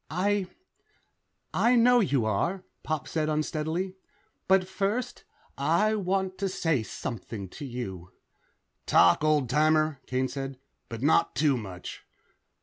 "I ... I know you are," Pop said unsteadily. "But first, I want to say something to you." "Talk, old timer," Kane said. "But not too much."